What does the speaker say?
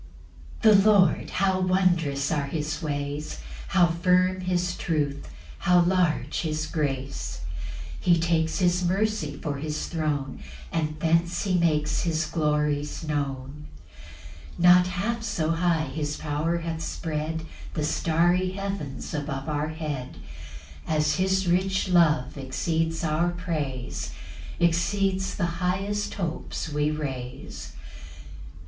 1. The Lord, how wondrous are his ways: How firm his truth how large his grace; He takes his mercy for his throne, And thence he makes his glories known. 2 Not half so high his power hath spread The starry heavens above our head, As his rich love exceeds our praise, Exceeds the highest hopes we raise.